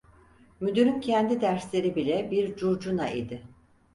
Müdürün kendi dersleri bile bir curcuna idi.